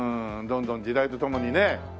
どんどん時代と共にね。